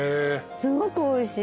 すごくおいしい。